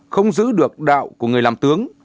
không giữ được đạo của người làm tướng